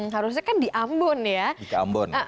harusnya kan di ambon ya